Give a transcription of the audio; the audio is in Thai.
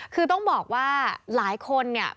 คือต้องบอกว่าหลายคน